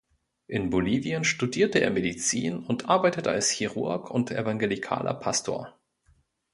In Bolivien studierte er Medizin und arbeitete als Chirurg und evangelikaler Pastor.